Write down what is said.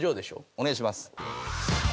お願いします。